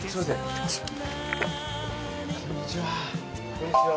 こんにちは。